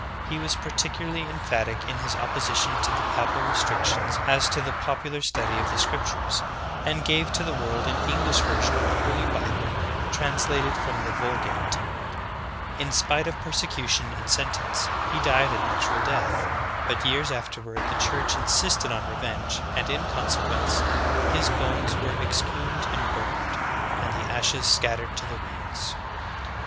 He was particularly em phatic in his opposition to the papal restrictions as to the popular study of the scriptures, and gave to the world an English version of the Holy Bible translated from the Vul gate. In spite of persecution and sentence, he died a natural death; but years afterward the Church insisted on revenge, and in consequence, his bones were exhumed and burned, and the ashes scattered to the winds.